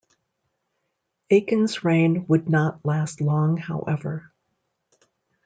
Akins's reign would not last long however.